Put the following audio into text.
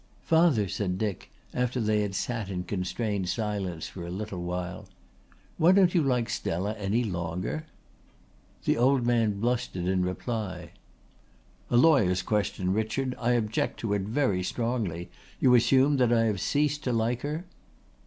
"Father," said Dick, after they had sat in a constrained silence for a little while, "why don't you like Stella any longer?" The old man blustered in reply: "A lawyer's question, Richard. I object to it very strongly. You assume that I have ceased to like her."